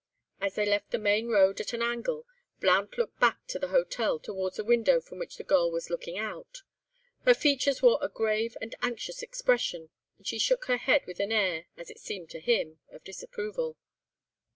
As they left the main road at an angle, Blount looked back to the hotel towards a window from which the girl was looking out. Her features wore a grave and anxious expression, and she shook her head with an air, as it seemed to him, of disapproval.